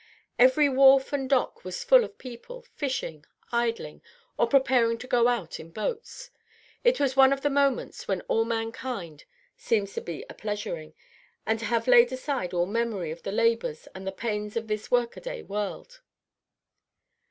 Every wharf and dock was full of people, fishing, idling, or preparing to go out in boats. It was one of the moments when all mankind seems to be a pleasuring, and to have laid aside all memory of the labors and the pains of this work a day world.